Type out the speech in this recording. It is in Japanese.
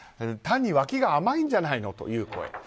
単にわきが甘いんじゃないのという声。